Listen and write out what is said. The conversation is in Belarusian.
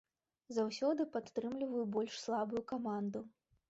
Заўсёды падтрымліваю больш слабую каманду.